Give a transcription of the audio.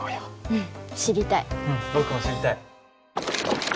うん僕も知りたい。